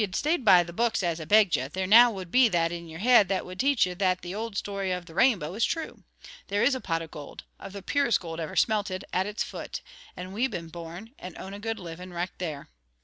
If ye'd stayed by the books, as I begged ye, there now would be that in your heid that would teach ye that the old story of the Rainbow is true. There is a pot of gold, of the purest gold ever smelted, at its foot, and we've been born, and own a good living richt there.